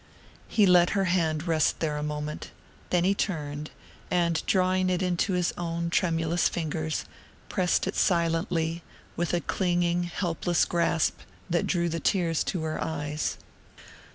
He let her hand rest there a moment; then he turned, and drawing it into his own tremulous fingers, pressed it silently, with a clinging helpless grasp that drew the tears to her eyes.